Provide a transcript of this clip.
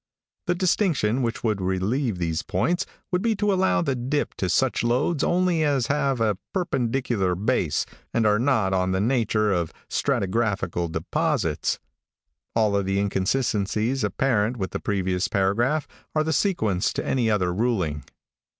"The distinction which would relieve these points would be to allow the dip to such lodes Only as have a perpendicular base and are not on the nature of stratigraphical deposits! all the inconsistencies apparent from the previous paragraph are the sequence to any other ruling.